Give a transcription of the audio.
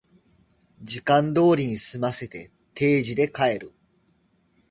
時間通りに済ませて定時で帰る